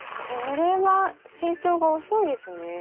これは成長が遅いですね。